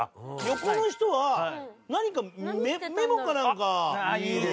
横の人は何かメモかなんか。